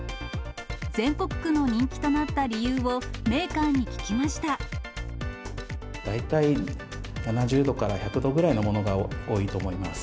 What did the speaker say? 全国区の人気となった理由を、大体、７０度から１００度ぐらいのものが多いと思います。